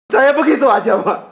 saya begitu aja pak